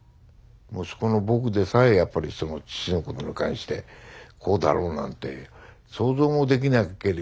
息子の僕でさえやっぱりその父のことに関してこうだろうなんて想像もできなければ。